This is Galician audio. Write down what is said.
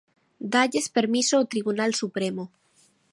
Dálles permiso o Tribunal Supremo.